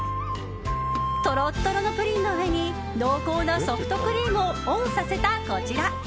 トロトロのプリンの上に濃厚なソフトクリームをオンさせた、こちら。